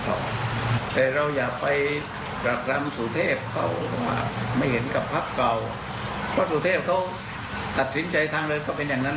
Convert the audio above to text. แต่เราอย่าไปกระกรามสู่เทพเขาว่าไม่เห็นกับภาพเก่า